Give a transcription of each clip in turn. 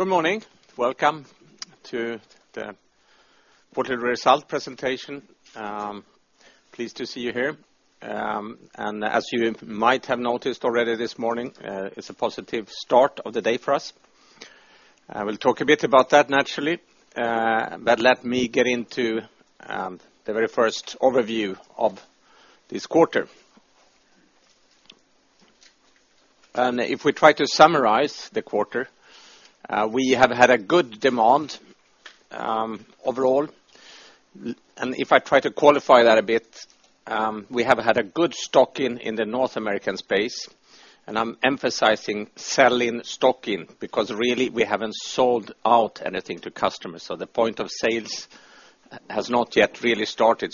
Good morning. Welcome to the quarter result presentation. Pleased to see you here. As you might have noticed already this morning, it's a positive start of the day for us. I will talk a bit about that, naturally. Let me get into the very first overview of this quarter. If we try to summarize the quarter, we have had a good demand overall. If I try to qualify that a bit, we have had a good stock in the North American space, and I'm emphasizing sell in, stock in, because really, we haven't sold out anything to customers. The point of sales has not yet really started.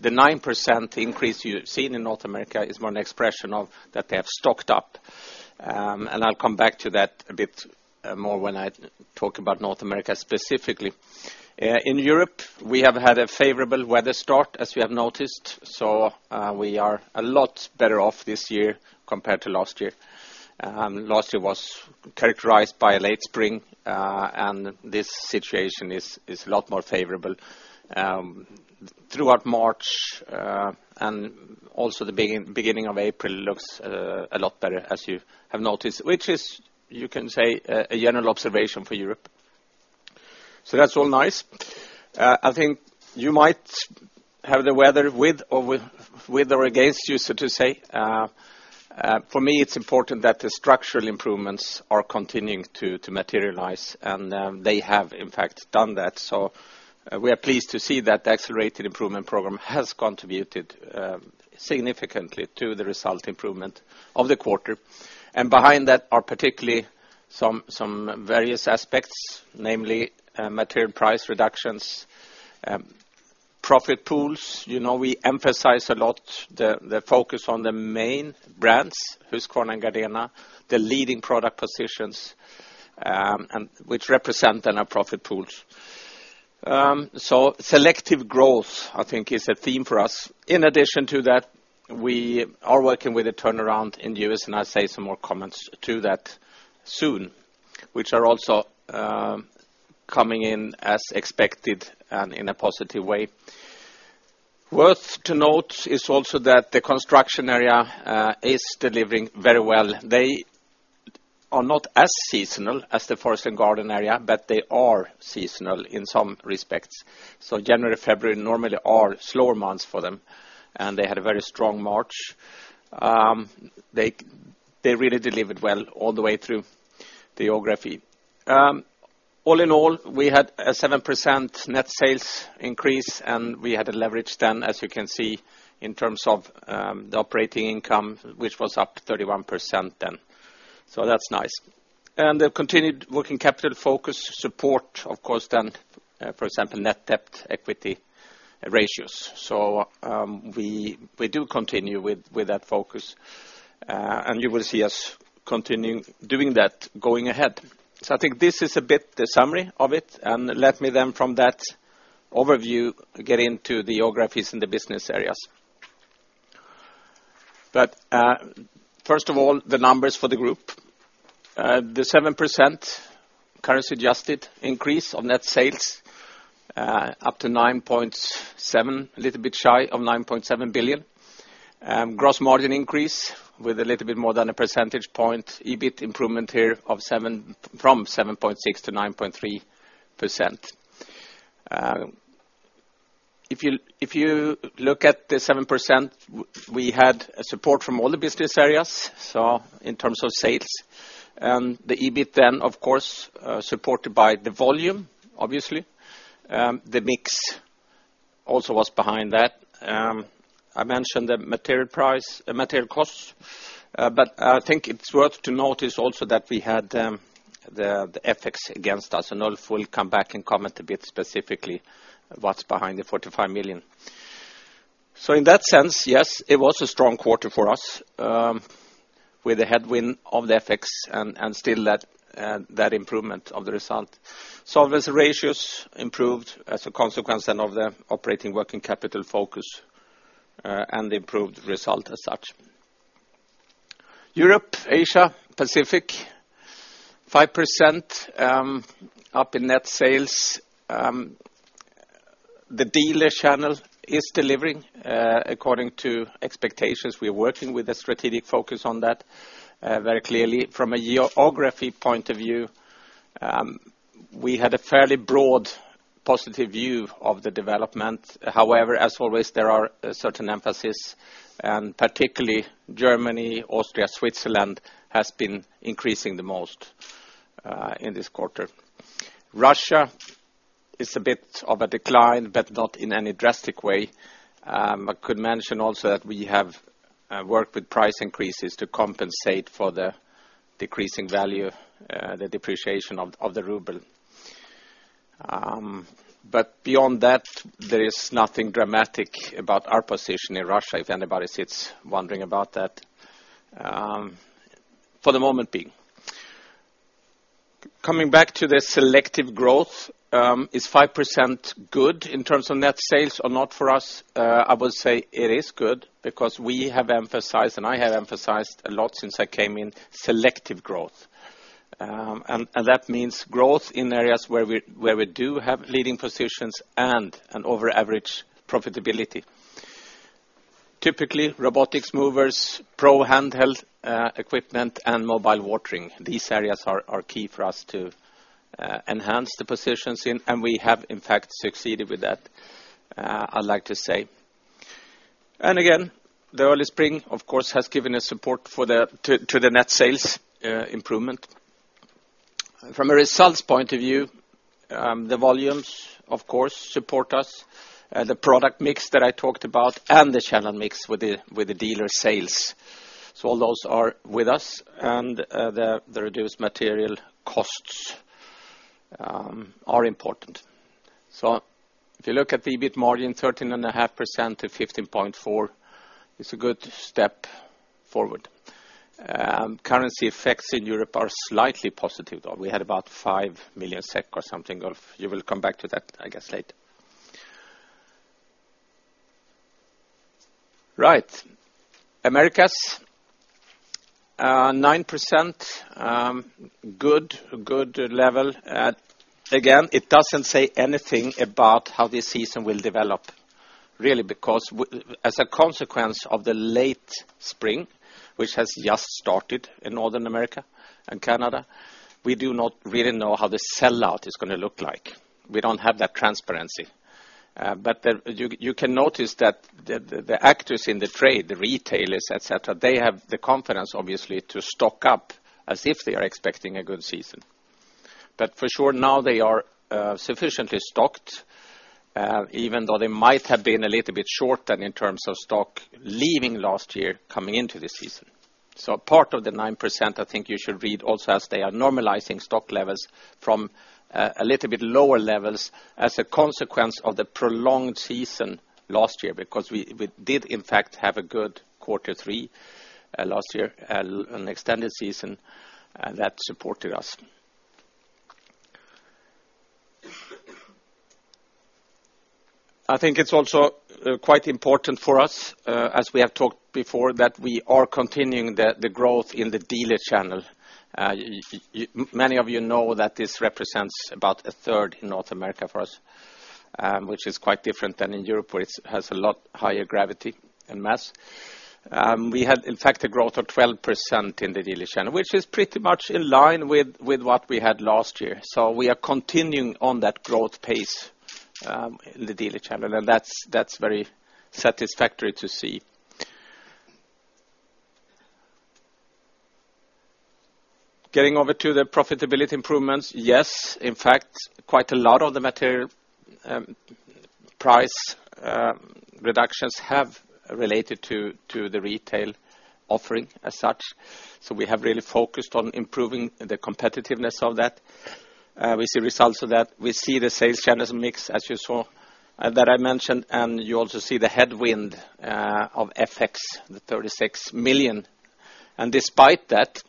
The 9% increase you've seen in North America is more an expression of that they have stocked up. I'll come back to that a bit more when I talk about North America specifically. In Europe, we have had a favorable weather start, as you have noticed. We are a lot better off this year compared to last year. Last year was characterized by a late spring, and this situation is a lot more favorable. Throughout March, and also the beginning of April, looks a lot better, as you have noticed. Which is, you can say, a general observation for Europe. That's all nice. I think you might have the weather with or against you, so to say. For me, it's important that the structural improvements are continuing to materialize, and they have in fact done that. We are pleased to see that the Accelerated Improvement Program has contributed significantly to the result improvement of the quarter. Behind that are particularly some various aspects, namely material price reductions, profit pools. We emphasize a lot the focus on the main brands, Husqvarna and Gardena, the leading product positions, which represent then our profit pools. Selective growth, I think, is a theme for us. In addition to that, we are working with a turnaround in the U.S., and I'll say some more comments to that soon, which are also coming in as expected and in a positive way. Worth to note is also that the construction area is delivering very well. They are not as seasonal as the forest and garden area, but they are seasonal in some respects. January, February normally are slower months for them, and they had a very strong March. They really delivered well all the way through the geography. All in all, we had a 7% net sales increase, and we had a leverage then, as you can see, in terms of the operating income, which was up 31% then. That's nice. The continued working capital focus support, of course then, for example, net debt equity ratios. We do continue with that focus, and you will see us continue doing that going ahead. I think this is a bit the summary of it, and let me then from that overview, get into the geographies and the business areas. First of all, the numbers for the group. The 7% currency-adjusted increase of net sales up to 9.7, a little bit shy of 9.7 billion. Gross margin increase with a little bit more than a percentage point. EBIT improvement here from 7.6% to 9.3%. If you look at the 7%, we had support from all the business areas, so in terms of sales. The EBIT then, of course, supported by the volume, obviously. The mix also was behind that. I mentioned the material costs, but I think it is worth to notice also that we had the FX against us, and Ulf will come back and comment a bit specifically what is behind the 45 million. In that sense, yes, it was a strong quarter for us with a headwind of the FX and still that improvement of the result. Solvency ratios improved as a consequence then of the operating working capital focus and the improved result as such. Europe, Asia, Pacific, 5% up in net sales. The dealer channel is delivering according to expectations. We are working with a strategic focus on that very clearly. From a geography point of view, we had a fairly broad positive view of the development. However, as always, there are certain emphasis, and particularly Germany, Austria, Switzerland has been increasing the most in this quarter. Russia is a bit of a decline, but not in any drastic way. I could mention also that we have worked with price increases to compensate for the decreasing value, the depreciation of the ruble. Beyond that, there is nothing dramatic about our position in Russia, if anybody sits wondering about that for the moment being. Coming back to the selective growth. Is 5% good in terms of net sales or not for us? I would say it is good because we have emphasized, and I have emphasized a lot since I came in, selective growth. That means growth in areas where we do have leading positions and an over average profitability. Typically, robotic mowers, pro handheld equipment, and mobile watering. These areas are key for us to enhance the positions in, and we have in fact succeeded with that, I would like to say. Again, the early spring, of course, has given a support to the net sales improvement. From a results point of view, the volumes, of course, support us, the product mix that I talked about, and the channel mix with the dealer sales. All those are with us, and the reduced material costs are important. If you look at the EBIT margin, 13.5% to 15.4%, it is a good step forward. Currency effects in Europe are slightly positive, though. We had about 5 million SEK or something. You will come back to that, I guess, later. Right. Americas, 9%, good level. Again, it does not say anything about how this season will develop, really, because as a consequence of the late spring, which has just started in Northern America and Canada, we do not really know how the sell-out is going to look like. We do not have that transparency. You can notice that the actors in the trade, the retailers, et cetera, they have the confidence, obviously, to stock up as if they are expecting a good season. For sure, now they are sufficiently stocked, even though they might have been a little bit short then in terms of stock leaving last year coming into this season. Part of the 9%, I think you should read also as they are normalizing stock levels from a little bit lower levels as a consequence of the prolonged season last year, because we did, in fact, have a good Q3 last year, an extended season, and that supported us. I think it is also quite important for us, as we have talked before, that we are continuing the growth in the dealer channel. Many of you know that this represents about one-third in North America for us, which is quite different than in Europe, where it has a lot higher gravity and mass. We had, in fact, a growth of 12% in the dealer channel, which is pretty much in line with what we had last year. We are continuing on that growth pace in the dealer channel, and that is very satisfactory to see. Getting over to the profitability improvements. Yes, in fact, quite a lot of the material price reductions have related to the retail offering as such. We have really focused on improving the competitiveness of that. We see results of that. We see the sales channels mix as you saw, that I mentioned, and you also see the headwind of FX, the 36 million. Despite that,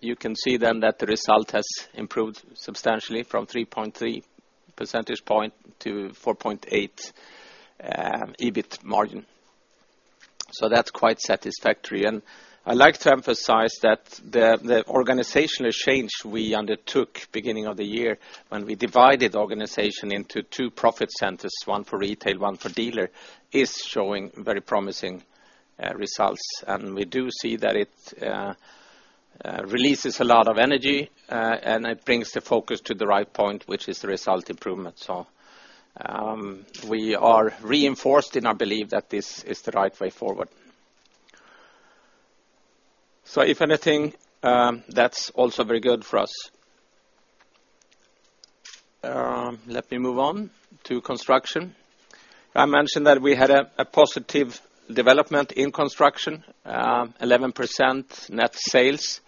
you can see that the result has improved substantially from 3.3 percentage points to 4.8% EBIT margin. That is quite satisfactory. I would like to emphasize that the organizational change we undertook beginning of the year when we divided the organization into two profit centers, one for retail, one for dealer, is showing very promising results. We do see that it releases a lot of energy, and it brings the focus to the right point, which is the result improvement. We are reinforced in our belief that this is the right way forward. If anything, that is also very good for us. Let me move on to construction. I mentioned that we had a positive development in construction, 11% net sales.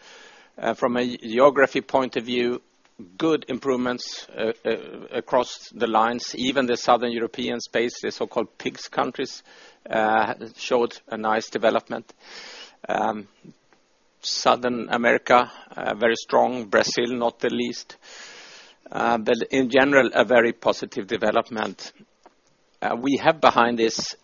From a geography point of view, good improvements across the lines. Even the Southern European space, the so-called PIGS countries, showed a nice development. Southern America, very strong. Brazil, not the least. In general, a very positive development. We have behind this,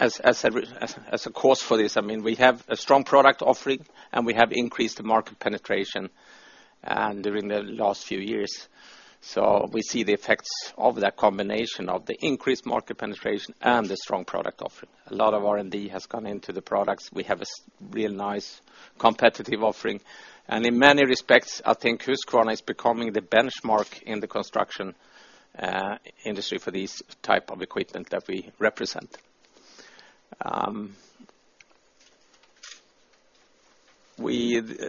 as a cause for this, we have a strong product offering, and we have increased the market penetration during the last few years. We see the effects of that combination of the increased market penetration and the strong product offering. A lot of R&D has gone into the products. We have a real nice competitive offering. In many respects, I think Husqvarna is becoming the benchmark in the construction industry for this type of equipment that we represent.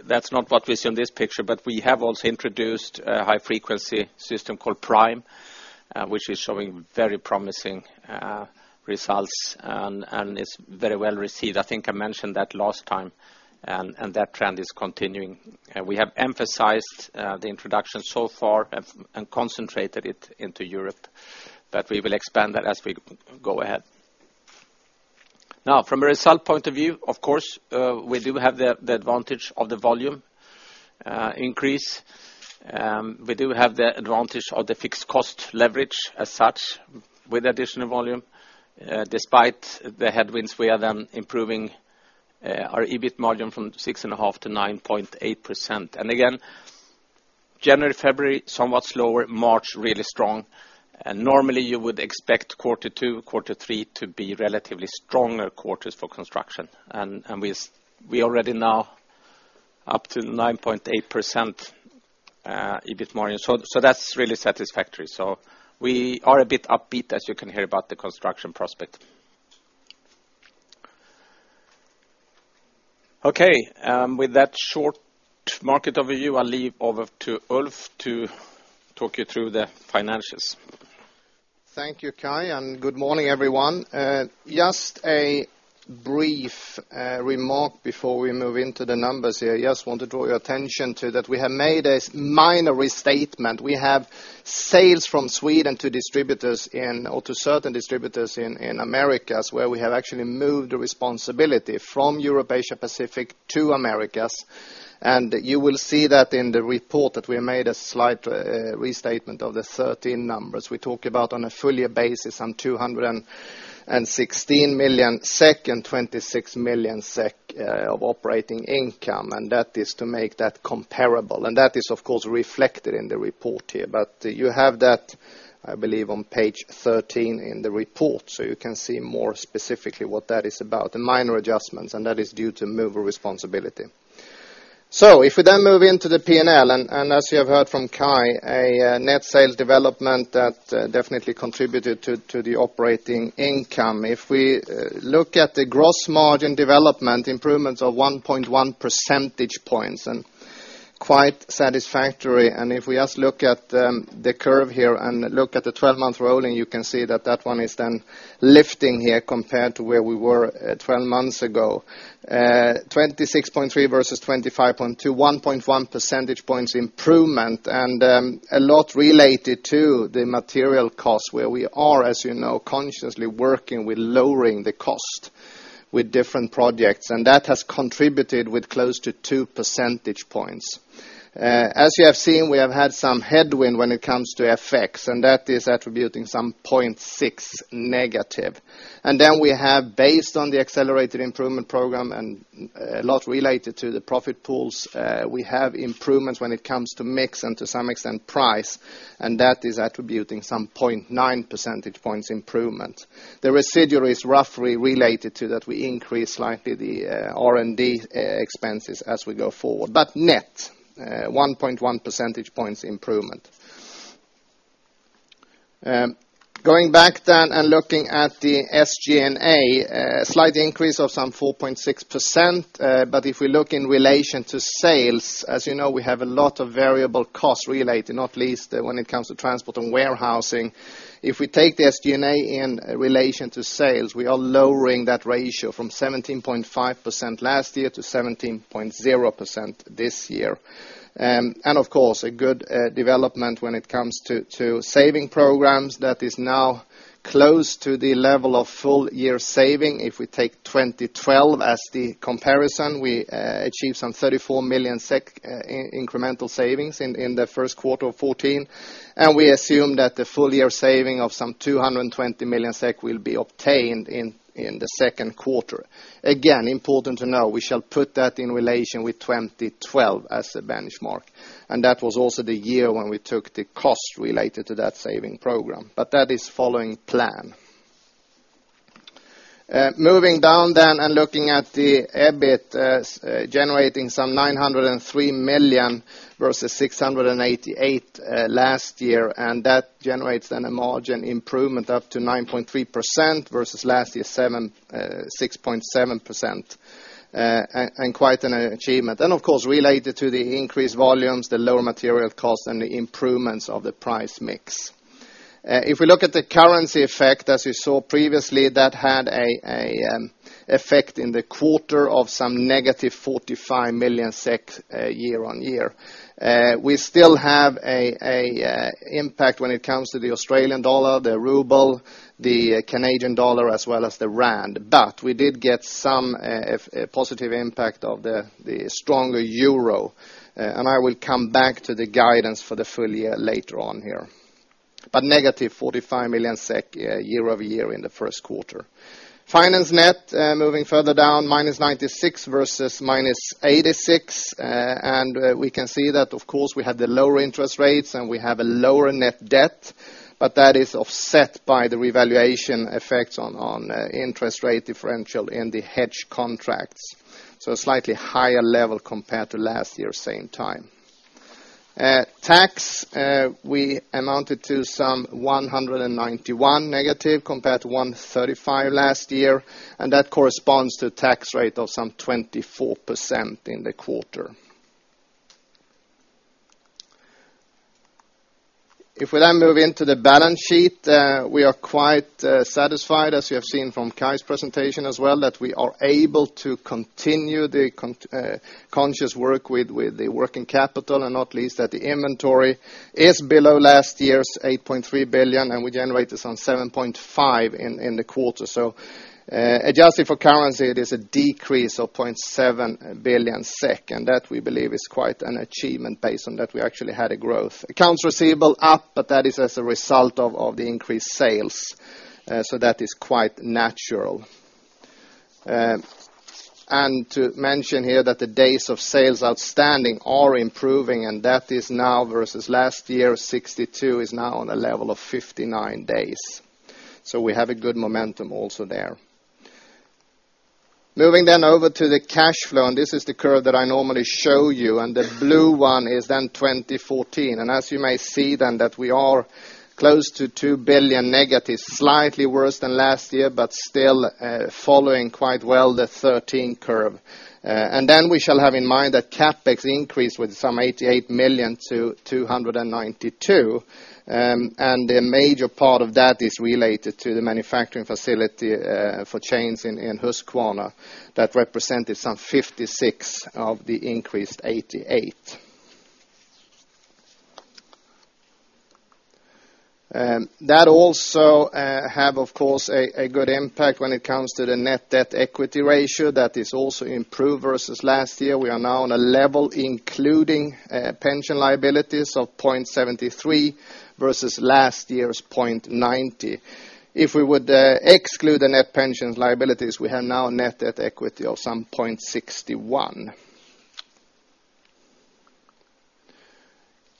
That is not what we see on this picture, but we have also introduced a high-frequency system called PRIME, which is showing very promising results, and it is very well received. I think I mentioned that last time, and that trend is continuing. We have emphasized the introduction so far and concentrated it into Europe, but we will expand that as we go ahead. From a result point of view, of course, we do have the advantage of the volume increase. We do have the advantage of the fixed cost leverage as such with additional volume. Despite the headwinds, we are improving our EBIT margin from 6.5% to 9.8%. Again, January, February, somewhat slower, March, really strong. Normally you would expect quarter two, quarter three to be relatively stronger quarters for construction. We already now up to 9.8% EBIT margin. That's really satisfactory. We are a bit upbeat, as you can hear, about the construction prospect. Okay, with that short market overview, I'll leave over to Ulf to talk you through the financials. Thank you, Kai, and good morning, everyone. Just a brief remark before we move into the numbers here. Just want to draw your attention to that we have made a minor restatement. We have sales from Sweden to certain distributors in Americas, where we have actually moved the responsibility from Europe, Asia, Pacific to Americas. You will see that in the report that we have made a slight restatement of the 13 numbers. We talk about on a full year basis, some 216 million SEK and 26 million SEK of operating income, that is to make that comparable. That is, of course, reflected in the report here. You have that, I believe, on page 13 in the report, so you can see more specifically what that is about, the minor adjustments, that is due to move of responsibility. If we then move into the P&L, as you have heard from Kai, a net sales development that definitely contributed to the operating income. If we look at the gross margin development improvements of 1.1 percentage points, quite satisfactory. If we just look at the curve here and look at the 12-month rolling, you can see that one is then lifting here compared to where we were 12 months ago. 26.3 versus 25.2, 1.1 percentage points improvement, a lot related to the material cost, where we are, as you know, consciously working with lowering the cost with different projects, that has contributed with close to two percentage points. As you have seen, we have had some headwind when it comes to FX, that is attributing some 0.6 negative. Then we have, based on the Accelerated Improvement Program, a lot related to the profit pools, we have improvements when it comes to mix to some extent price, that is attributing some 0.9 percentage points improvement. The residual is roughly related to that we increase slightly the R&D expenses as we go forward. Net, 1.1 percentage points improvement. Going back then looking at the SG&A, a slight increase of some 4.6%, if we look in relation to sales, as you know, we have a lot of variable costs relating, not least when it comes to transport and warehousing. If we take the SG&A in relation to sales, we are lowering that ratio from 17.5% last year to 17.0% this year. Of course, a good development when it comes to saving programs that is now close to the level of full year saving. If we take 2012 as the comparison, we achieved some 34 million SEK incremental savings in the first quarter of 2014, and we assume that the full year saving of some 220 million SEK will be obtained in the second quarter. Again, important to know, we shall put that in relation with 2012 as the benchmark. That was also the year when we took the cost related to that saving program. But that is following plan. Moving down then and looking at the EBIT, generating some 903 million versus 688 million last year, and that generates then a margin improvement up to 9.3% versus last year, 6.7%, and quite an achievement. Of course, related to the increased volumes, the lower material cost, and the improvements of the price mix. If we look at the currency effect, as you saw previously, that had an effect in the quarter of some negative 45 million SEK year-on-year. We still have an impact when it comes to the Australian dollar, the ruble, the Canadian dollar, as well as the rand. But we did get some positive impact of the stronger euro, and I will come back to the guidance for the full year later on here. But negative 45 million SEK year-over-year in the first quarter. Finance net, moving further down, minus 96 million versus minus 86 million. And we can see that, of course, we have the lower interest rates, and we have a lower net debt, but that is offset by the revaluation effects on interest rate differential in the hedge contracts. So a slightly higher level compared to last year same time. Tax, we amounted to some 191 million negative compared to 135 million last year, and that corresponds to a tax rate of some 24% in the quarter. If we then move into the balance sheet, we are quite satisfied, as you have seen from Kai's presentation as well, that we are able to continue the conscious work with the working capital, and not least that the inventory is below last year's 8.3 billion, and we generated some 7.5 billion in the quarter. So adjusted for currency, it is a decrease of 0.7 billion SEK, and that we believe is quite an achievement based on that we actually had a growth. Accounts receivable up, but that is as a result of the increased sales. That is quite natural. To mention here that the days of sales outstanding are improving, and that is now versus last year, 62 is now on a level of 59 days. So we have a good momentum also there. Moving then over to the cash flow. This is the curve that I normally show you, and the blue one is then 2014. As you may see then that we are close to 2 billion negative, slightly worse than last year, but still following quite well the 2013 curve. Then we shall have in mind that CapEx increased with some 88 million to 292 million, and a major part of that is related to the manufacturing facility for chainsaw chains in Husqvarna that represented some 56 million of the increased SEK 88 million. That also have, of course, a good impact when it comes to the net debt equity ratio. That is also improved versus last year. We are now on a level including pension liabilities of 0.73 versus last year's 0.90. If we would exclude the net pensions liabilities, we have now net debt equity of some 0.61.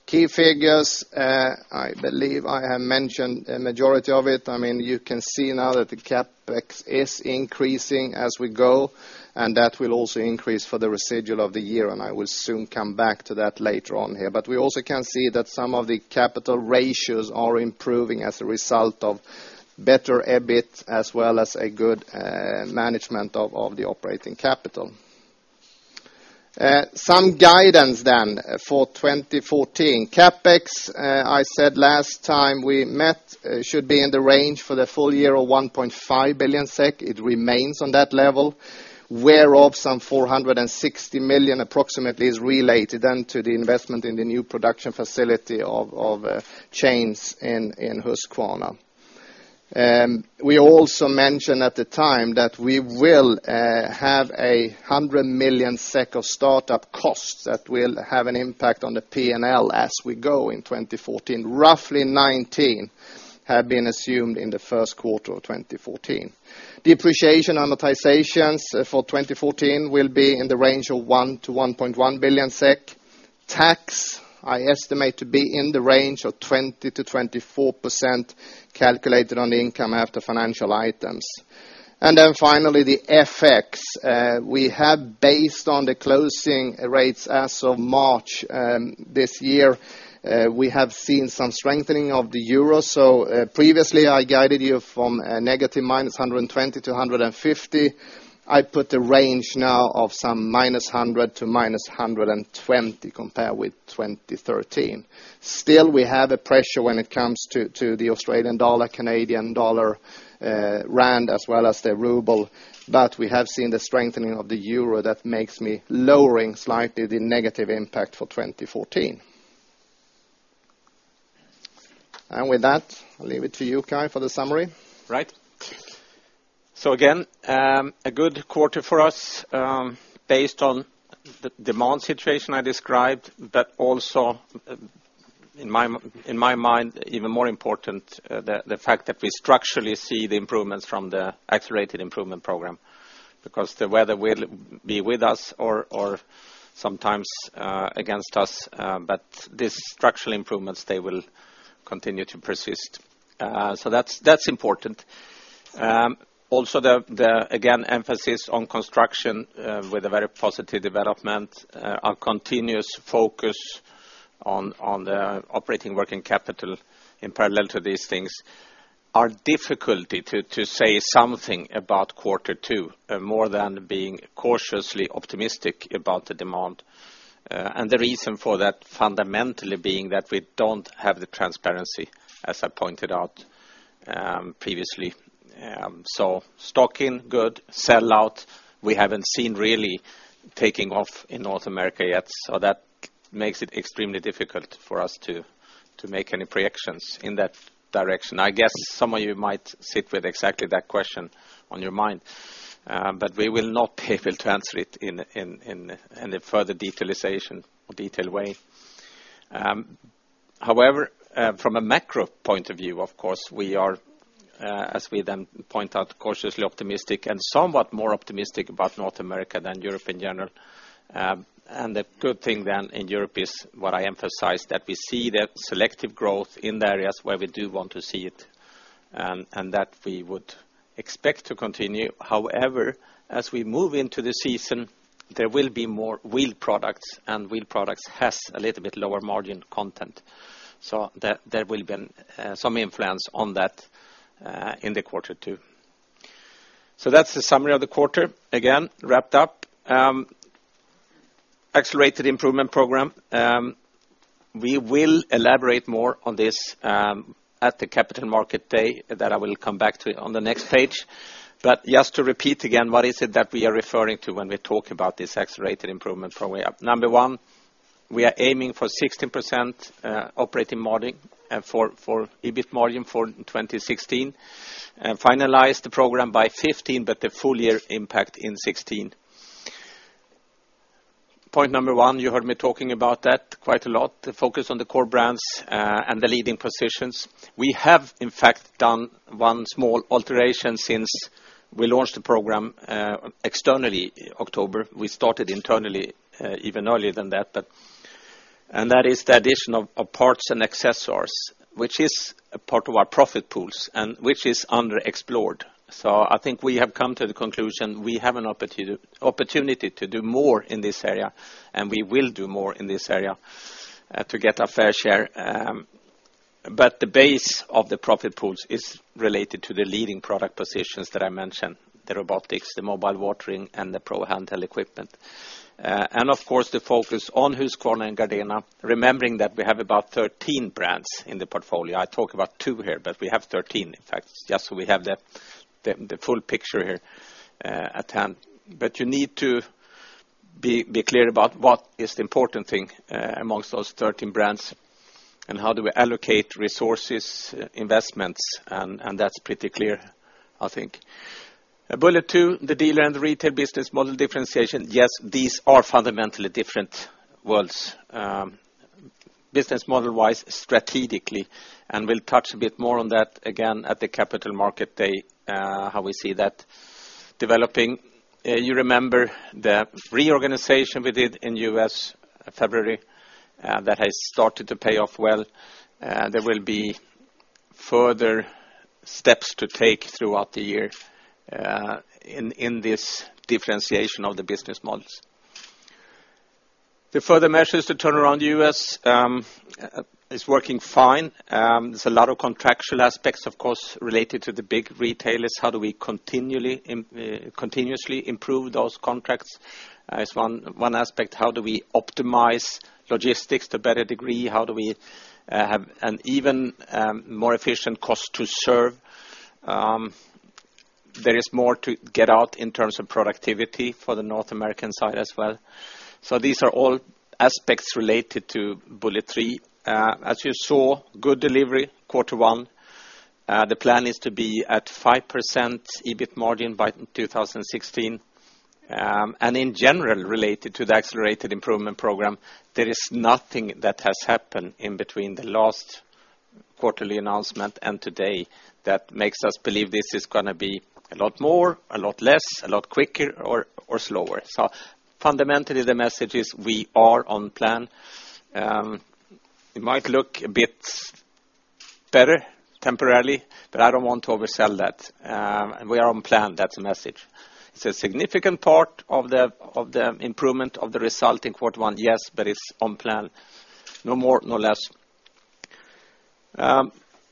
Key figures, I believe I have mentioned a majority of it. You can see now that the CapEx is increasing as we go, and that will also increase for the residual of the year, and I will soon come back to that later on here. We also can see that some of the capital ratios are improving as a result of better EBIT as well as a good management of the operating capital. Some guidance for 2014. CapEx, I said last time we met, should be in the range for the full year of 1.5 billion SEK. It remains on that level, whereof some 460 million approximately is related then to the investment in the new production facility of chains in Husqvarna. We also mentioned at the time that we will have 100 million SEK of startup costs that will have an impact on the P&L as we go in 2014. Roughly 19 have been assumed in the first quarter of 2014. Depreciation amortizations for 2014 will be in the range of 1 billion to 1.1 billion SEK. Tax, I estimate to be in the range of 20%-24% calculated on the income after financial items. Finally, the FX. We have based on the closing rates as of March this year, we have seen some strengthening of the euro. Previously I guided you from a negative -120 to -150. I put the range now of some -100 to -120 compared with 2013. Still, we have a pressure when it comes to the Australian dollar, Canadian dollar, rand, as well as the ruble, but we have seen the strengthening of the euro that makes me lowering slightly the negative impact for 2014. With that, I'll leave it to you, Kai, for the summary. Right. Again, a good quarter for us, based on the demand situation I described, but also in my mind, even more important, the fact that we structurally see the improvements from the Accelerated Improvement Program, because the weather will be with us or sometimes against us, but these structural improvements, they will continue to persist. That's important. Also, again, emphasis on construction with a very positive development, a continuous focus on the operating working capital in parallel to these things. Our difficulty to say something about quarter two, more than being cautiously optimistic about the demand. The reason for that fundamentally being that we don't have the transparency, as I pointed out previously. Stock in, good. Sellout, we haven't seen really taking off in North America yet, so that makes it extremely difficult for us to make any projections in that direction. I guess some of you might sit with exactly that question on your mind, but we will not be able to answer it in any further detailization or detailed way. From a macro point of view, of course, we are, as we then point out, cautiously optimistic and somewhat more optimistic about North America than Europe in general. The good thing then in Europe is what I emphasized, that we see the selective growth in the areas where we do want to see it, and that we would expect to continue. As we move into the season, there will be more wheeled products, and wheeled products has a little bit lower margin content. There will be some influence on that in the quarter 2. That's the summary of the quarter. Again, wrapped up. Accelerated Improvement Program. We will elaborate more on this at the Capital Markets Day that I will come back to on the next page. Just to repeat again, what is it that we are referring to when we talk about this Accelerated Improvement Program? Number 1, we are aiming for 16% operating margin for EBIT margin for 2016, and finalize the program by 2015, the full year impact in 2016. Point number 1, you heard me talking about that quite a lot, the focus on the core brands and the leading positions. We have, in fact, done one small alteration since we launched the program externally in October. We started internally even earlier than that. That is the addition of parts and accessories, which is a part of our profit pools, and which is underexplored. I think we have come to the conclusion, we have an opportunity to do more in this area, and we will do more in this area to get our fair share. The base of the profit pools is related to the leading product positions that I mentioned, the robotics, the mobile watering, and the pro handheld equipment. Of course, the focus on Husqvarna and Gardena, remembering that we have about 13 brands in the portfolio. I talk about two here, we have 13, in fact, just so we have the full picture here at hand. You need to be clear about what is the important thing amongst those 13 brands, and how do we allocate resources, investments, and that's pretty clear, I think. Bullet two, the dealer and the retail business model differentiation. Yes, these are fundamentally different worlds, business model-wise, strategically. We'll touch a bit more on that again at the Capital Markets Day, how we see that developing. You remember the reorganization we did in the U.S. in February. That has started to pay off well. There will be further steps to take throughout the year in this differentiation of the business models. The further measures to turn around the U.S. is working fine. There's a lot of contractual aspects, of course, related to the big retailers. How do we continuously improve those contracts? Is one aspect. How do we optimize logistics to a better degree? How do we have an even more efficient cost to serve? There is more to get out in terms of productivity for the North American side as well. These are all aspects related to bullet three. As you saw, good delivery quarter one. The plan is to be at 5% EBIT margin by 2016. In general, related to the Accelerated Improvement Program, there is nothing that has happened in between the last quarterly announcement and today that makes us believe this is going to be a lot more, a lot less, a lot quicker or slower. Fundamentally, the message is we are on plan. It might look a bit better temporarily, but I don't want to oversell that. We are on plan. That's the message. It's a significant part of the improvement of the result in quarter one, yes, but it's on plan, no more, no less.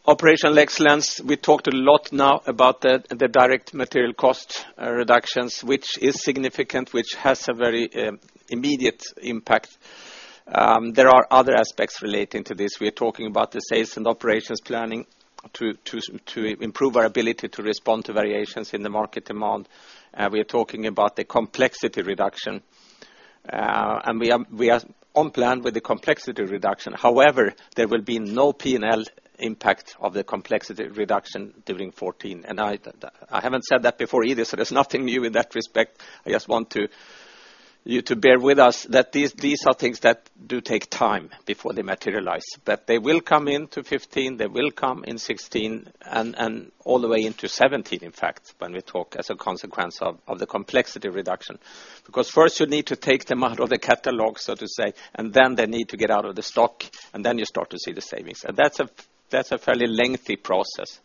Operational excellence. We talked a lot now about the direct material cost reductions, which is significant, which has a very immediate impact. There are other aspects relating to this. We're talking about the sales and operations planning to improve our ability to respond to variations in the market demand. We're talking about the complexity reduction. We are on plan with the complexity reduction. However, there will be no P&L impact of the complexity reduction during 2014. I haven't said that before either, so there's nothing new in that respect. I just want you to bear with us that these are things that do take time before they materialize. They will come into 2015, they will come in 2016, and all the way into 2017, in fact, when we talk as a consequence of the complexity reduction. Because first you need to take them out of the catalog, so to say, and then they need to get out of the stock, and then you start to see the savings. That's a fairly lengthy process.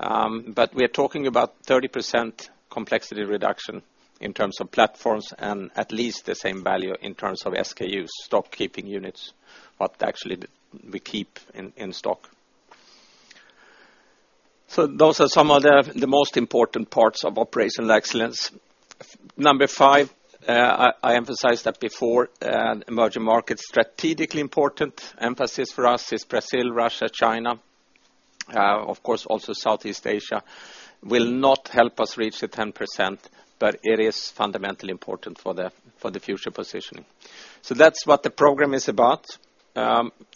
We're talking about 30% complexity reduction in terms of platforms and at least the same value in terms of SKUs, Stock Keeping Units, what actually we keep in stock. Those are some of the most important parts of operational excellence. Number five, I emphasized that before, emerging markets. Strategically important emphasis for us is Brazil, Russia, China. Of course, also Southeast Asia will not help us reach the 10%, but it is fundamentally important for the future positioning. That's what the program is about.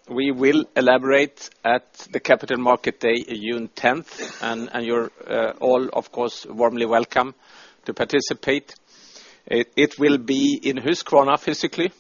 We will elaborate at the Capital Markets Day on June 10th, and you're all, of course, warmly welcome to participate. It will be in Husqvarna physically.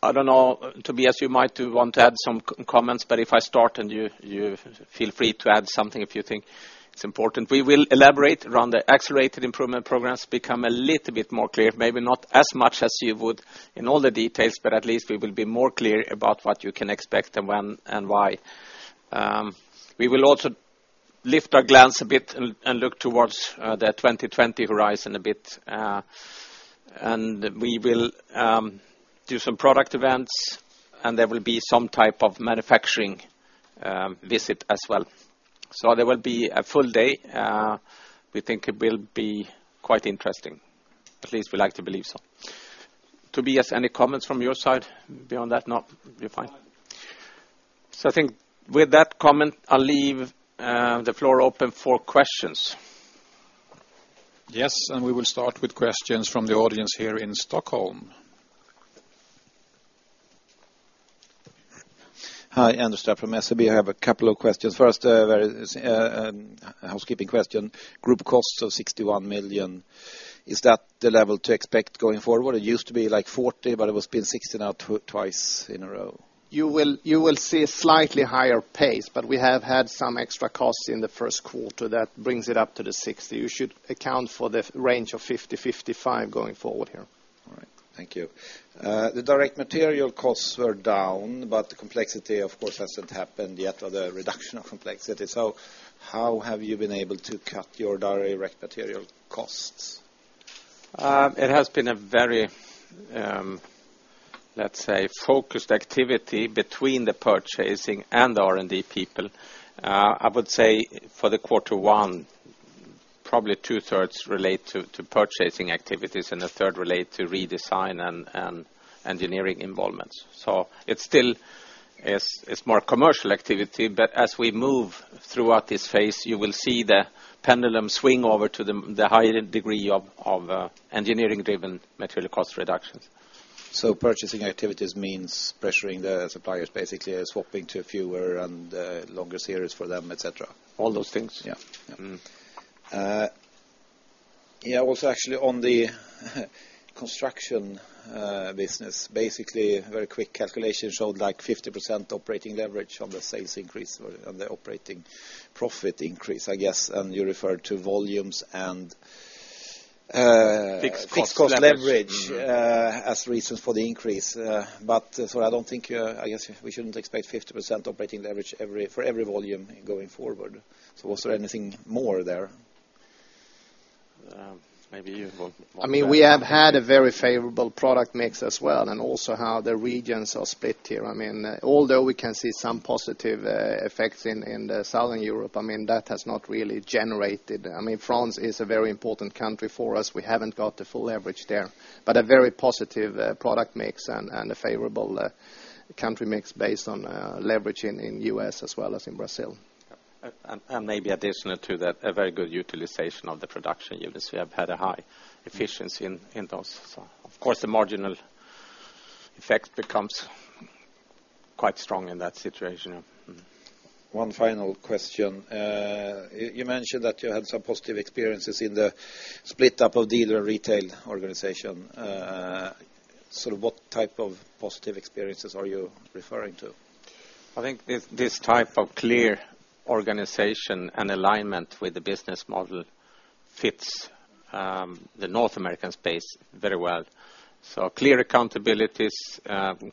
I don't know, Tobias, you might want to add some comments, but if I start, and you feel free to add something if you think it's important. We will elaborate around the Accelerated Improvement Program, become a little bit more clear. Maybe not as much as you would in all the details, but at least we will be more clear about what you can expect and when and why. We will also lift our glance a bit and look towards the 2020 horizon a bit. We will do some product events, and there will be some type of manufacturing visit as well. There will be a full day. We think it will be quite interesting. At least we like to believe so. Tobias, any comments from your side? Beyond that, no? You're fine. I think with that comment, I'll leave the floor open for questions. Yes, we will start with questions from the audience here in Stockholm. Hi, Anders from SEB. I have a couple of questions. First, a housekeeping question. Group costs of 61 million. Is that the level to expect going forward? It used to be like 40, it has been 60 now twice in a row. You will see a slightly higher pace, we have had some extra costs in the first quarter that brings it up to the 60. You should account for the range of 50-55 going forward here. All right, thank you. The direct material costs were down, the complexity, of course, hasn't happened yet or the reduction of complexity. How have you been able to cut your direct material costs? It has been a very, let's say, focused activity between the purchasing and R&D people. I would say for the quarter one, probably two-thirds relate to purchasing activities, and a third relate to redesign and engineering involvements. It is still more commercial activity, but as we move throughout this phase, you will see the pendulum swing over to the higher degree of engineering-driven material cost reductions. Purchasing activities means pressuring the suppliers, basically swapping to fewer and longer series for them, et cetera? All those things. Yeah. Actually on the construction business, basically a very quick calculation showed like 50% operating leverage on the sales increase or on the operating profit increase, I guess. You referred to volumes and- Fixed cost leverage I guess we shouldn't expect 50% operating leverage for every volume going forward. Was there anything more there? Maybe you want- We have had a very favorable product mix as well, and also how the regions are split here. Although we can see some positive effects in Southern Europe, that has not really generated. France is a very important country for us. We haven't got the full leverage there, but a very positive product mix and a favorable country mix based on leverage in U.S. as well as in Brazil. Maybe additional to that, a very good utilization of the production units. We have had a high efficiency in those. Of course the marginal effect becomes quite strong in that situation. One final question. You mentioned that you had some positive experiences in the split up of dealer retail organization. What type of positive experiences are you referring to? I think this type of clear organization and alignment with the business model fits the North American space very well. Clear accountabilities,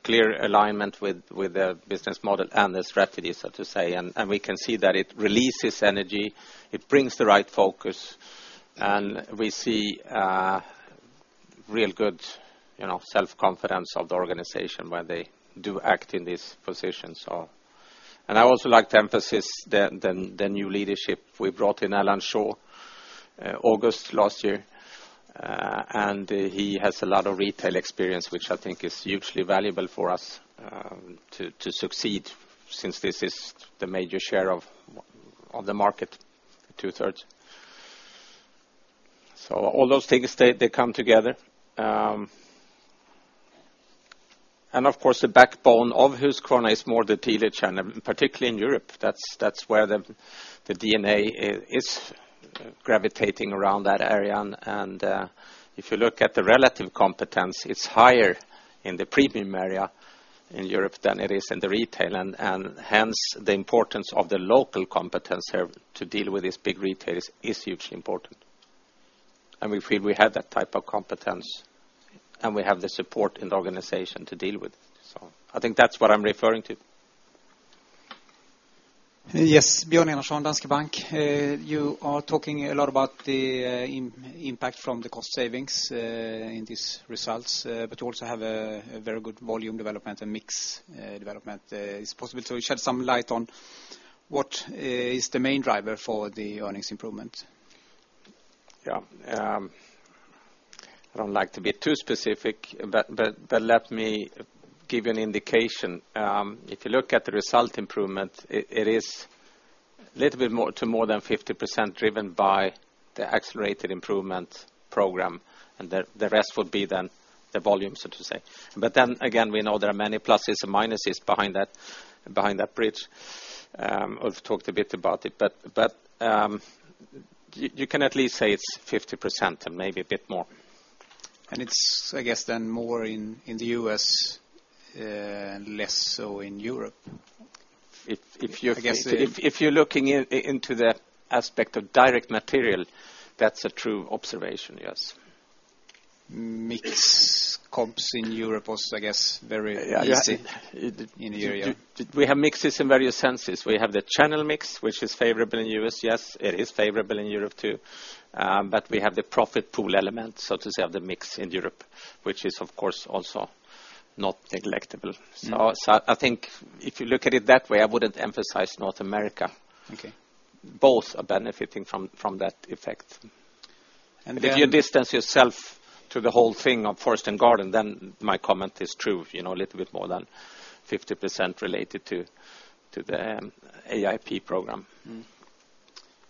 clear alignment with the business model and the strategy, so to say. We can see that it releases energy, it brings the right focus, and we see real good self-confidence of the organization when they do act in these positions. I also like to emphasize the new leadership. We brought in Alan Shaw August last year, and he has a lot of retail experience, which I think is hugely valuable for us to succeed since this is the major share of the market, two-thirds. All those things, they come together. Of course, the backbone of Husqvarna is more the dealer channel, particularly in Europe. That's where the DNA is gravitating around that area, and if you look at the relative competence, it's higher in the premium area in Europe than it is in the retail. Hence the importance of the local competence here to deal with these big retailers is hugely important, and we feel we have that type of competence, and we have the support in the organization to deal with it. I think that's what I'm referring to. Yes, Björn Enarson, Danske Bank. You are talking a lot about the impact from the cost savings in these results. You also have a very good volume development and mix development. Is it possible to shed some light on what is the main driver for the earnings improvement? Yeah. I don't like to be too specific, let me give you an indication. If you look at the result improvement, it is a little bit to more than 50% driven by the Accelerated Improvement Program, the rest would be then the volume, so to say. Again, we know there are many pluses and minuses behind that bridge. I've talked a bit about it, but you can at least say it's 50% and maybe a bit more. It's, I guess then more in the U.S. and less so in Europe. If you're looking into the aspect of direct material, that's a true observation, yes. Mix comps in Europe also, I guess, very easy in the area. We have mixes in various senses. We have the channel mix, which is favorable in U.S., yes. It is favorable in Europe too. We have the profit pool element, so to say, of the mix in Europe, which is of course also not negligible. I think if you look at it that way, I wouldn't emphasize North America. Okay. Both are benefiting from that effect. If you distance yourself to the whole thing of forest and garden, then my comment is true. A little bit more than 50% related to the AIP program.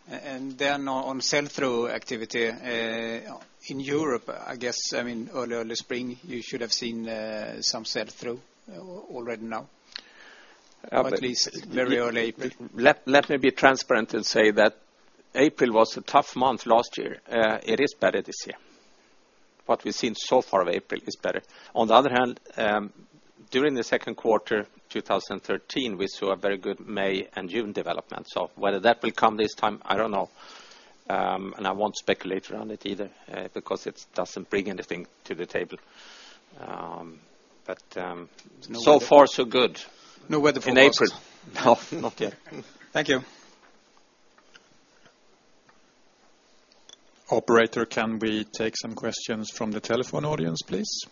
On sell-through activity, in Europe, I guess, early spring, you should have seen some sell-through already now, or at least very early April. Let me be transparent and say that April was a tough month last year. It is better this year. What we've seen so far of April is better. On the other hand, during the second quarter 2013, we saw a very good May and June development. Whether that will come this time, I don't know. I won't speculate around it either, because it doesn't bring anything to the table. So far so good. No weather forecast in April. No, not yet. Thank you. Operator, can we take some questions from the telephone audience, please?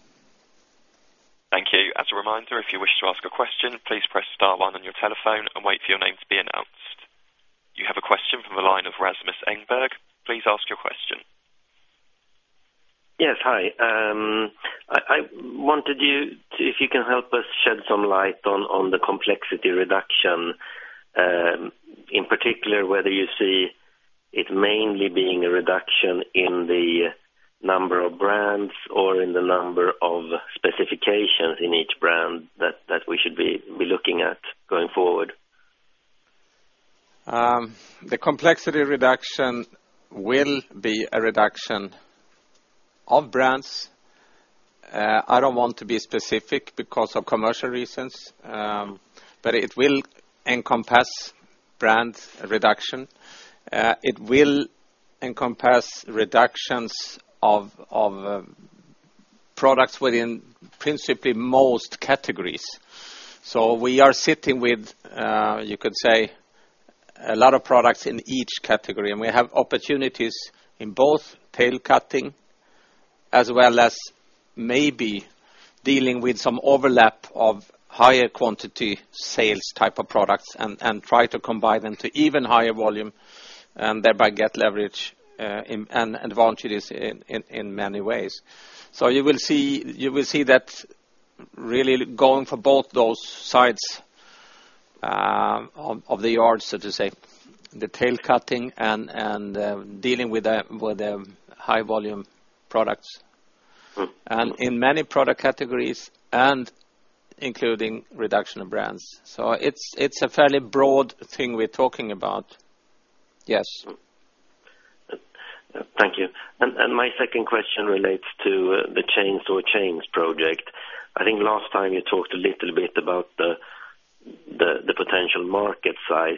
Thank you. As a reminder, if you wish to ask a question, please press star one on your telephone and wait for your name to be announced. You have a question from the line of Rasmus Engberg. Please ask your question. Yes, hi. I wanted you, if you can help us shed some light on the complexity reduction, in particular, whether you see it mainly being a reduction in the number of brands or in the number of specifications in each brand that we should be looking at going forward? The complexity reduction will be a reduction of brands. I don't want to be specific because of commercial reasons, but it will encompass brand reduction. It will encompass reductions of products within principally most categories. We are sitting with, you could say, a lot of products in each category, we have opportunities in both tail cutting as well as maybe dealing with some overlap of higher quantity sales type of products and try to combine them to even higher volume, thereby get leverage, advantage in many ways. You will see that really going for both those sides of the yard, so to say, the tail cutting and dealing with the high volume products. In many product categories, including reduction of brands. It's a fairly broad thing we're talking about. Yes. Thank you. My second question relates to the chainsaw chains project. I think last time you talked a little bit about the potential market size.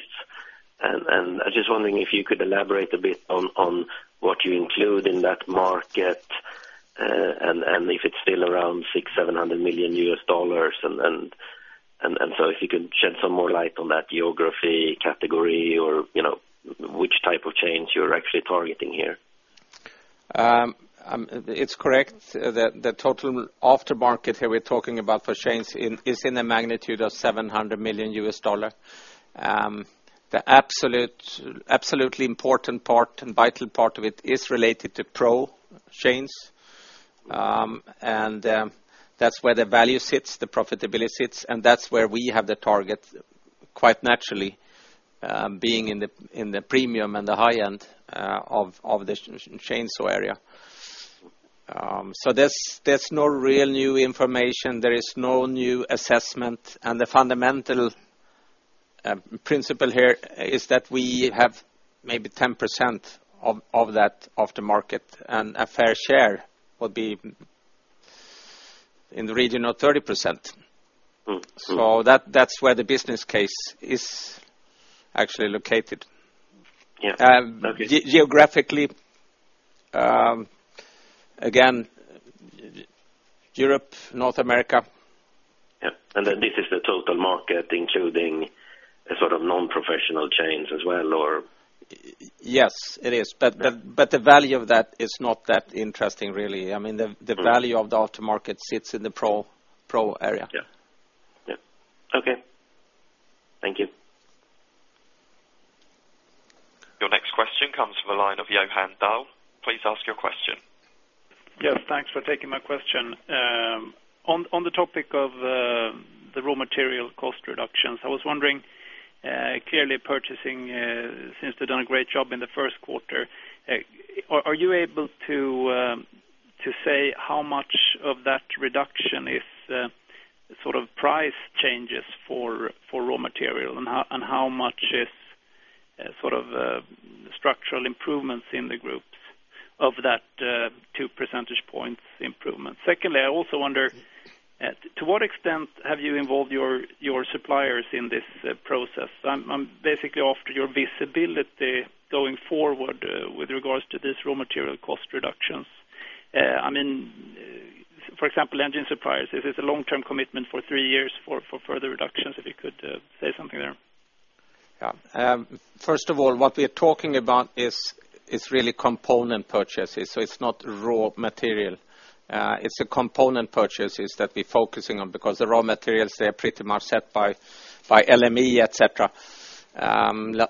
I was just wondering if you could elaborate a bit on what you include in that market, if it's still around $600 million and $700 million. If you could shed some more light on that geography category or which type of chain you're actually targeting here. It's correct. The total aftermarket here we're talking about for chains is in the magnitude of $700 million. The absolutely important part and vital part of it is related to pro chains. That's where the value sits, the profitability sits, and that's where we have the target quite naturally, being in the premium and the high-end of the chainsaw area. There's no real new information. There is no new assessment, and the fundamental principle here is that we have maybe 10% of that off the market, and a fair share would be in the region of 30%. That's where the business case is actually located. Yeah. Geographically, again, Europe, North America. Yes. This is the total market, including a sort of non-professional chains as well, or? Yes, it is. The value of that is not that interesting, really. The value of the aftermarket sits in the pro area. Yes. Okay. Thank you. Your next question comes from the line of Johan Dahl. Please ask your question. Yes, thanks for taking my question. On the topic of the raw material cost reductions, I was wondering, clearly purchasing seems to have done a great job in the first quarter. Are you able to say how much of that reduction is sort of price changes for raw material? How much is structural improvements in the group of that 2 percentage points improvement? Secondly, I also wonder, to what extent have you involved your suppliers in this process? I'm basically after your visibility going forward with regards to these raw material cost reductions. For example, engine suppliers, if it's a long-term commitment for 3 years for further reductions, if you could say something there. Yeah. First of all, what we're talking about is really component purchases, so it's not raw material. It's the component purchases that we're focusing on because the raw materials, they are pretty much set by LME, et cetera,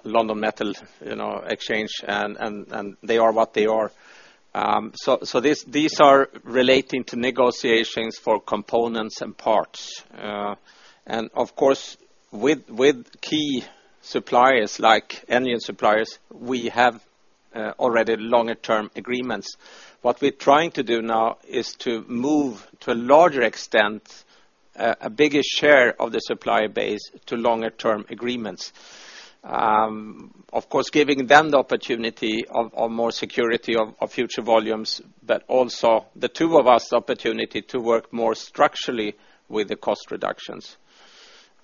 London Metal Exchange, and they are what they are. These are relating to negotiations for components and parts. Of course, with key suppliers like engine suppliers, we have already longer term agreements. What we're trying to do now is to move, to a larger extent, a bigger share of the supplier base to longer term agreements. Of course, giving them the opportunity of more security of future volumes, but also the 2 of us the opportunity to work more structurally with the cost reductions.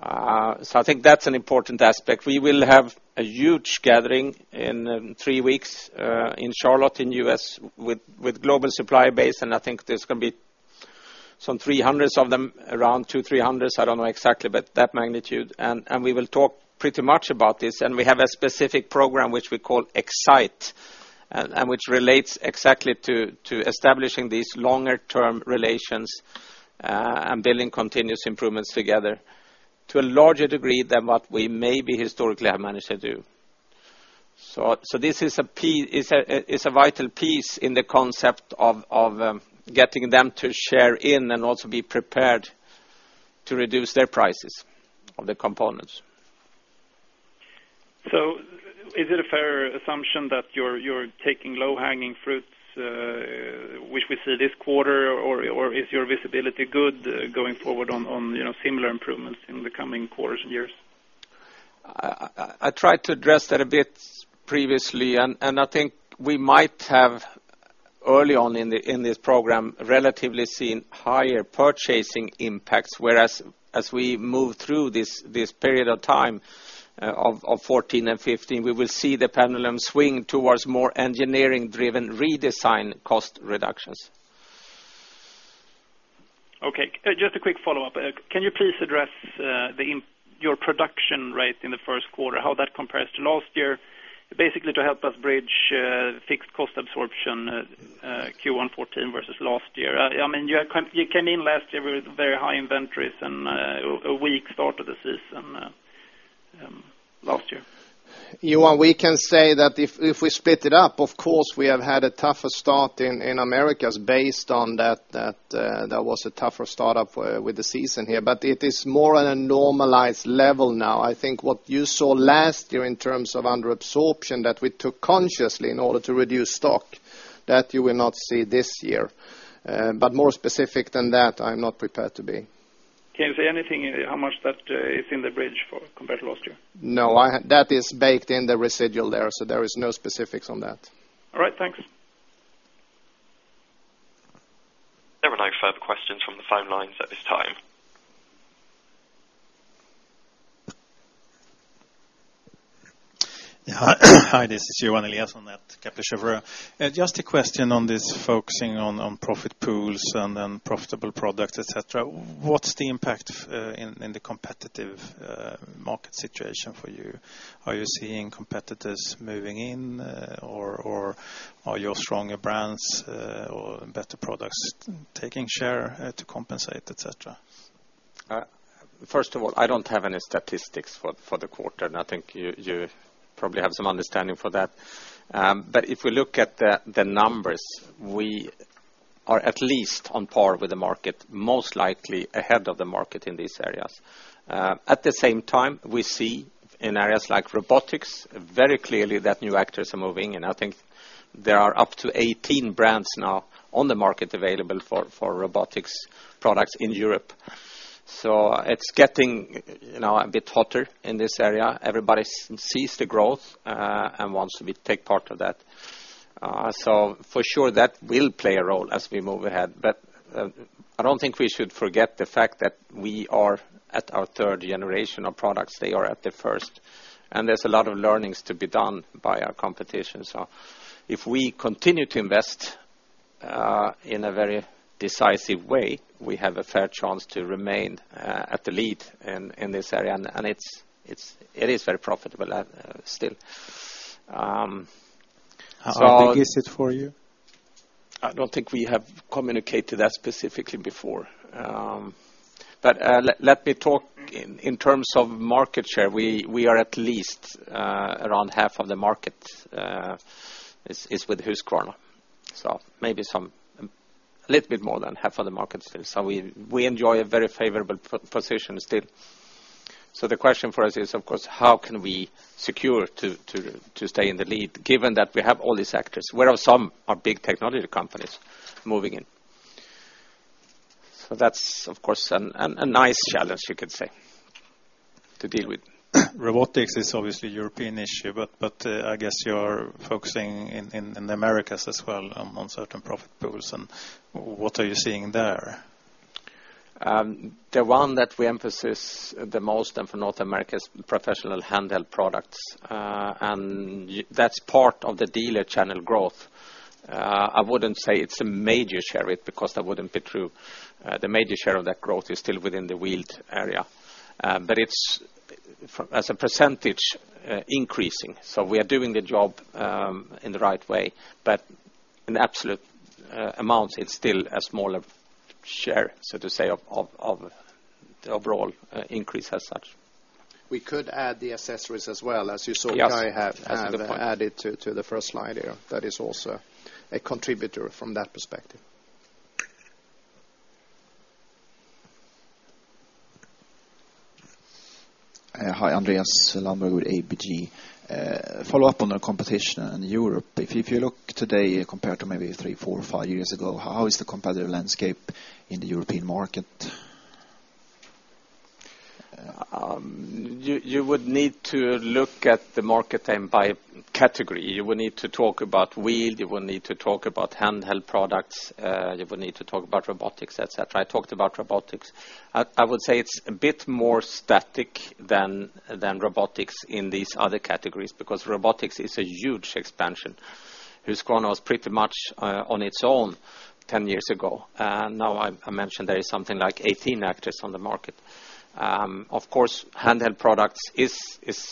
I think that's an important aspect. We will have a huge gathering in 3 weeks in Charlotte in the U.S. with global supplier base, and I think there's going to be some 300 of them, around 200, 300, I don't know exactly, but that magnitude. We will talk pretty much about this, and we have a specific program which we call Xcite, and which relates exactly to establishing these longer term relations, and building continuous improvements together to a larger degree than what we maybe historically have managed to do. This is a vital piece in the concept of getting them to share in and also be prepared to reduce their prices of the components. Is it a fair assumption that you're taking low-hanging fruits, which we see this quarter, or is your visibility good going forward on similar improvements in the coming quarters and years? I tried to address that a bit previously, and I think we might have early on in this program, relatively seen higher purchasing impacts, whereas as we move through this period of time of 2014 and 2015, we will see the pendulum swing towards more engineering-driven redesign cost reductions. Okay. Just a quick follow-up. Can you please address your production rate in the first quarter, how that compares to last year? Basically to help us bridge fixed cost absorption Q1 2014 versus last year. You came in last year with very high inventories and a weak start to the season last year. Johan, we can say that if we split it up, of course, we have had a tougher start in Americas based on that was a tougher startup with the season here. It is more on a normalized level now. I think what you saw last year in terms of under absorption that we took consciously in order to reduce stock, that you will not see this year. More specific than that, I'm not prepared to be. Can you say anything how much that is in the bridge compared to last year? No. That is baked in the residual there, so there is no specifics on that. All right, thanks. There are no further questions from the phone lines at this time. Hi, this is Johan Eliason at Kepler Cheuvreux. Just a question on this focusing on profit pools and then profitable products, et cetera. What's the impact in the competitive market situation for you? Are you seeing competitors moving in, or are your stronger brands or better products taking share to compensate, et cetera? I don't have any statistics for the quarter, and I think you probably have some understanding for that. If we look at the numbers, we are at least on par with the market, most likely ahead of the market in these areas. At the same time, we see in areas like robotics very clearly that new actors are moving, and I think there are up to 18 brands now on the market available for robotics products in Europe. It's getting a bit hotter in this area. Everybody sees the growth, and wants to take part of that. For sure that will play a role as we move ahead. I don't think we should forget the fact that we are at our third generation of products. They are at the first, and there's a lot of learnings to be done by our competition. If we continue to invest in a very decisive way, we have a fair chance to remain at the lead in this area, and it is very profitable still. How big is it for you? I don't think we have communicated that specifically before. Let me talk in terms of market share. We are at least around half of the market is with Husqvarna. Maybe a little bit more than half of the market still. We enjoy a very favorable position still. The question for us is of course, how can we secure to stay in the lead given that we have all these actors, where some are big technology companies moving in. That's of course a nice challenge you could say, to deal with. Robotics is obviously a European issue, but I guess you are focusing in the Americas as well on certain profit pools. What are you seeing there? The one that we emphasize the most for North America is professional handheld products. That's part of the dealer channel growth. I wouldn't say it's a major share, because that wouldn't be true. The major share of that growth is still within the wheeled area. It's as a percentage increasing. We are doing the job in the right way, but in absolute amounts, it's still a smaller share, so to say, of the overall increase as such. We could add the accessories as well, as you saw. Yes. That's a good point. I have added to the first slide here. That is also a contributor from that perspective. Hi, Andreas Lundberg with ABG. Follow-up on the competition in Europe. If you look today compared to maybe three, four, five years ago, how is the competitive landscape in the European market? You would need to look at the market by category. You will need to talk about wheel, you will need to talk about handheld products, you will need to talk about robotics, et cetera. I talked about robotics. I would say it's a bit more static than robotics in these other categories, because robotics is a huge expansion. Husqvarna was pretty much on its own 10 years ago. Now, I mentioned there is something like 18 actors on the market. Of course, handheld products is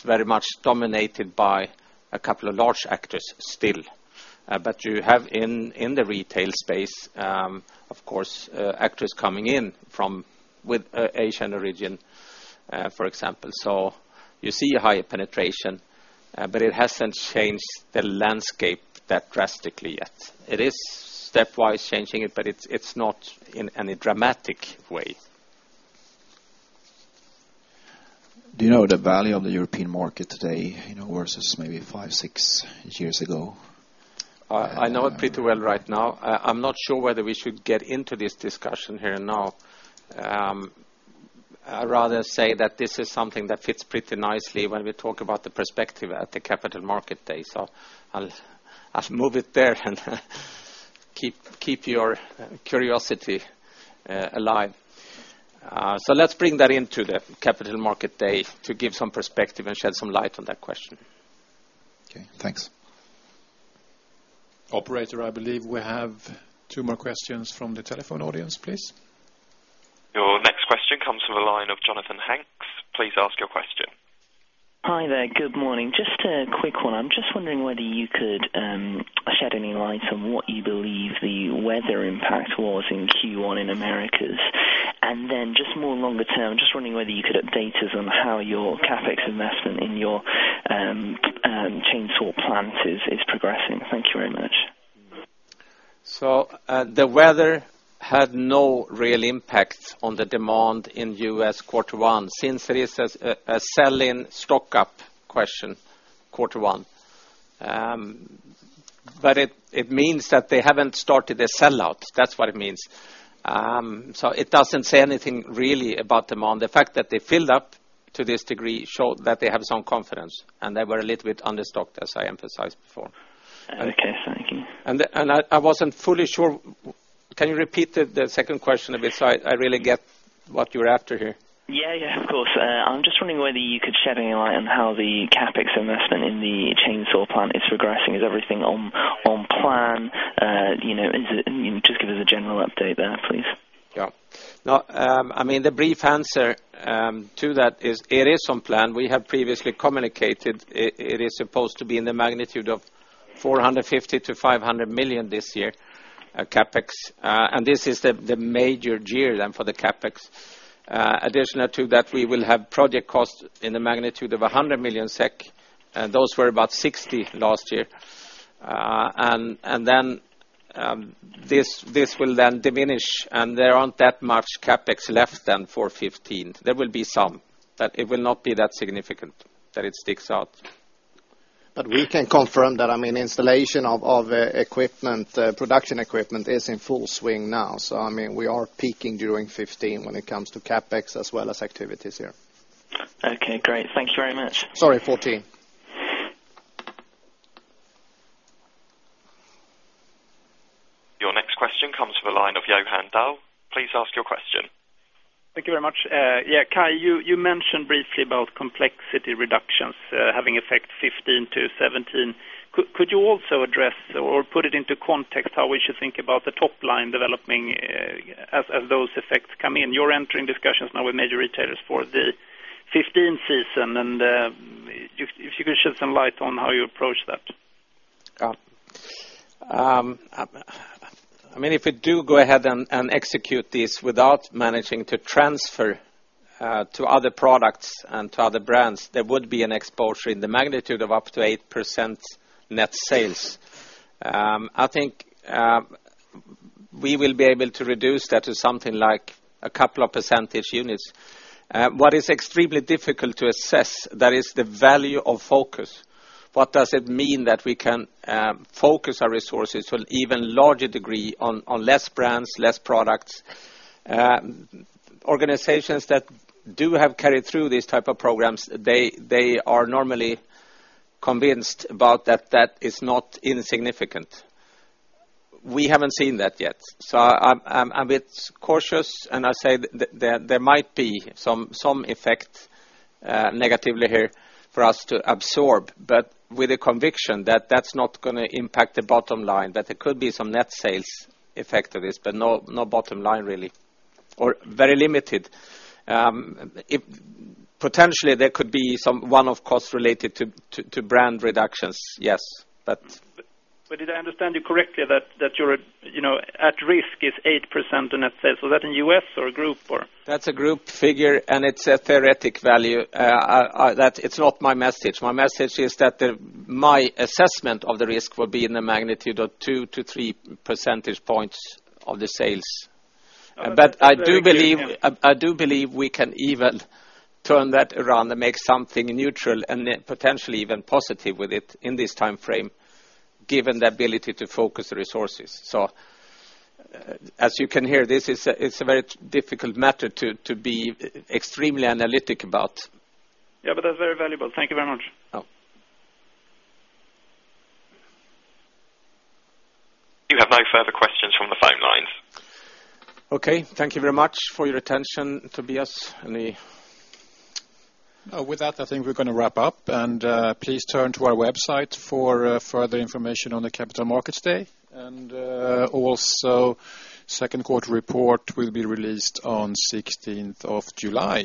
very much dominated by a couple of large actors still. You have in the retail space, of course, actors coming in with Asian origin, for example. So you see a high penetration, but it hasn't changed the landscape that drastically yet. It is stepwise changing it, but it's not in any dramatic way. Do you know the value of the European market today versus maybe five, six years ago? I know it pretty well right now. I'm not sure whether we should get into this discussion here now. I'd rather say that this is something that fits pretty nicely when we talk about the perspective at the Capital Markets Day. I'll move it there and keep your curiosity alive. Let's bring that into the Capital Markets Day to give some perspective and shed some light on that question. Okay, thanks. Operator, I believe we have two more questions from the telephone audience, please. Your next question comes from the line of Jonathan Hanks. Please ask your question. Hi there. Good morning. Just a quick one. I'm just wondering whether you could shed any light on what you believe the weather impact was in Q1 in Americas. Just more longer term, just wondering whether you could update us on how your CapEx investment in your chainsaw plant is progressing. Thank you very much. The weather had no real impact on the demand in U.S. quarter one, since it is a sell-in stock-up question quarter one. It means that they haven't started a sell-out. That's what it means. It doesn't say anything really about demand. The fact that they filled up to this degree showed that they have some confidence, and they were a little bit under stocked, as I emphasized before. Okay, thank you. I wasn't fully sure, can you repeat the second question a bit so I really get what you're after here? Yeah. Of course. I'm just wondering whether you could shed any light on how the CapEx investment in the chainsaw plant is progressing. Is everything on plan? Just give us a general update there, please. Yeah. The brief answer to that is it is on plan. We have previously communicated it is supposed to be in the magnitude of 450 million to 500 million this year, CapEx. This is the major year then for the CapEx. Additional to that, we will have project costs in the magnitude of 100 million SEK, those were about 60 last year. This will then diminish, there aren't that much CapEx left than for 2015. There will be some, it will not be that significant that it sticks out. We can confirm that installation of production equipment is in full swing now, so we are peaking during 2015 when it comes to CapEx as well as activities here. Okay, great. Thank you very much. Sorry, 2014. Your next question comes from the line of Johan Dahl. Please ask your question. Thank you very much. Kai, you mentioned briefly about complexity reductions having effect 2015 to 2017. Could you also address or put it into context how we should think about the top line developing as those effects come in? You're entering discussions now with major retailers for the 2015 season, if you could shed some light on how you approach that. If we do go ahead and execute this without managing to transfer to other products and to other brands, there would be an exposure in the magnitude of up to 8% net sales. I think we will be able to reduce that to something like a couple of percentage units. What is extremely difficult to assess, that is the value of focus. What does it mean that we can focus our resources to an even larger degree on less brands, less products? Organizations that do have carried through these type of programs, they are normally convinced about that that is not insignificant. We haven't seen that yet. I'm a bit cautious, I say there might be some effect negatively here for us to absorb, with a conviction that that's not going to impact the bottom line, that there could be some net sales effect of this, but no bottom line really, or very limited. Potentially there could be one of costs related to brand reductions, yes. Did I understand you correctly that your at risk is 8% in net sales? Was that in U.S. or group or? That's a group figure, it's a theoretic value. It's not my message. My message is that my assessment of the risk will be in the magnitude of two to three percentage points of the sales. I do believe we can even turn that around and make something neutral and potentially even positive with it in this time frame, given the ability to focus resources. As you can hear, it's a very difficult matter to be extremely analytic about. Yeah, that's very valuable. Thank you very much. Yeah. You have no further questions from the phone lines. Okay. Thank you very much for your attention. Tobias, any? With that, I think we're going to wrap up. Please turn to our website for further information on the Capital Markets Day. Second quarter report will be released on 16th of July.